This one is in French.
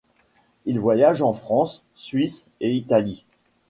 Il voyage en France, Suisse et Italie.